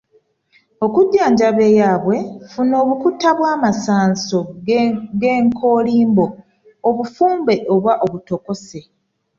Okujjanjaba eyaabwe, funa obukuta bw’amasanso g’enkoolimbo obufumbe oba obutokose.